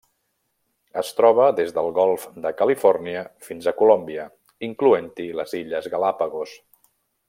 Es troba des del Golf de Califòrnia fins a Colòmbia, incloent-hi les Illes Galápagos.